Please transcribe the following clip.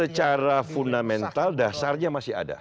secara fundamental dasarnya masih ada